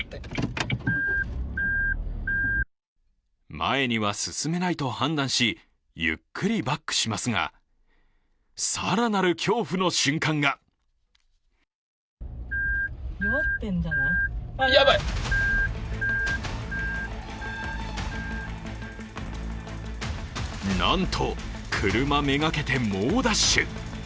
前には進めないと判断し、ゆっくりバックしますが、更なる恐怖の瞬間がなんと、車めがけて猛ダッシュ。